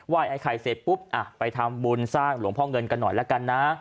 ไอ้ไข่เสร็จปุ๊บอ่ะไปทำบุญสร้างหลวงพ่อเงินกันหน่อยละกันนะ